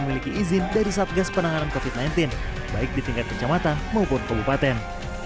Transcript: memiliki izin dari satgas penanganan covid sembilan belas baik di tingkat kecamatan maupun kabupaten